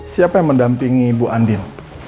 siapa yang mendampingi ibu andin